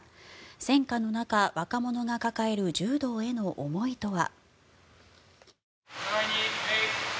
戦禍の中、若者が抱える柔道への思いとは。